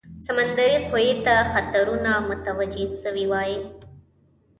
سمندري قوې ته خطرونه متوجه سوي وای.